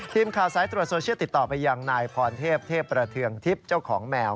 ทีมข่าวสายตรวจโซเชียลติดต่อไปยังนายพรเทพเทพประเทืองทิพย์เจ้าของแมว